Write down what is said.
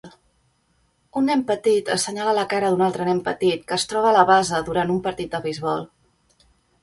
Un nen petit assenyala la cara d'un altre nen petit que es troba a la base durant un partit de beisbol.